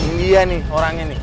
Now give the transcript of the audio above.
ini dia nih orangnya nih